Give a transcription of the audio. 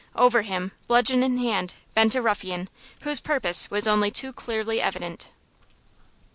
Over him, bludgeon in hand, bent a ruffian, whose purpose was only too clearly evident.